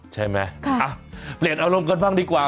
ใช่ไหมเปลี่ยนอารมณ์กันบ้างดีกว่า